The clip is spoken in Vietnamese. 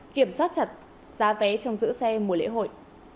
kiểm soát chặt giá vé trong giữ xe mùa lễ hội